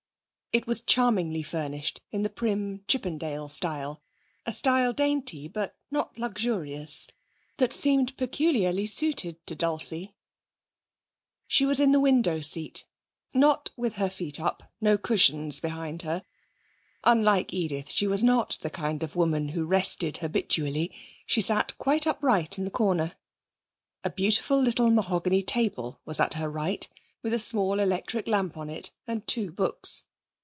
It was charmingly furnished in the prim Chippendale style, a style dainty, but not luxurious, that seemed peculiarly suited to Dulcie. She was in the window seat not with her feet up, no cushions behind her. Unlike Edith, she was not the kind of woman who rested habitually; she sat quite upright in the corner. A beautiful little mahogany table was at her right, with a small electric lamp on it, and two books.